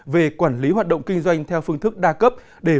về quản lý hoạt động kinh doanh theo phương thức đa cấp